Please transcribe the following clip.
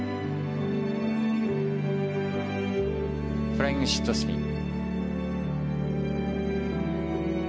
フライングシットスピン。